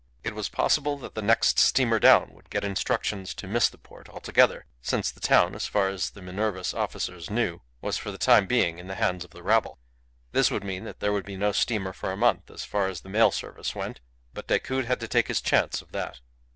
It was possible that the next steamer down would get instructions to miss the port altogether since the town, as far as the Minerva's officers knew, was for the time being in the hands of the rabble. This would mean that there would be no steamer for a month, as far as the mail service went; but Decoud had to take his chance of that.